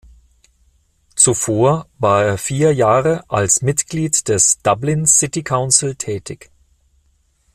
Zuvor war er vier Jahre als Mitglied des "Dublin City Council" tätig.